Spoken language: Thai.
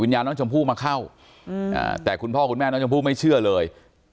วิญญาณน้องชมพูมาเข้าอืมอ่าแต่คุณพ่อคุณแม่น้องชมพูไม่เชื่อเลย